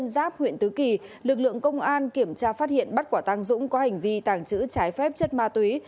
giáp huyện tứ kỳ lực lượng công an kiểm tra phát hiện bắt quả tăng dũng có hành vi tàng trữ trái phép chất ma túy